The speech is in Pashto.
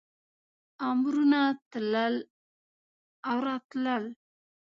امرونه تلل او راتلل.